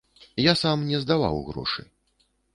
Я сам не здаваў грошы.